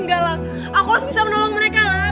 enggak alam aku harus bisa menolong mereka alam